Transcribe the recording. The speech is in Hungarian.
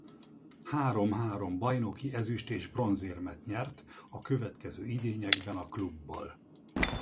Három-három bajnoki ezüst- és bronzérmet nyert a következő idényekben a klubbal.